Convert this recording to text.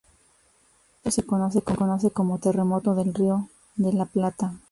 El evento se conoce como terremoto del Río de la Plata.